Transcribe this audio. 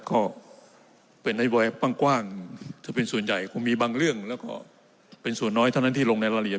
เวย์ว่ากว้างจะเป็นส่วนใหญ่ค่อนข้างมีบางเรื่องและเป็นส่วนน้อยเท่านั้นที่ลงในรายละเอียด